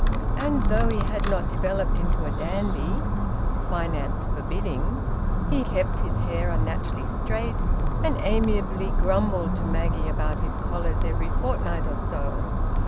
And though he had not developed into a dandy (finance forbidding), he kept his hair unnaturally straight, and amiably grumbled to Maggie about his collars every fortnight or so.